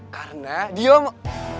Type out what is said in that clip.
karena dia mau